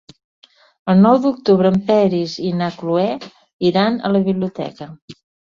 El nou d'octubre en Peris i na Cloè iran a la biblioteca.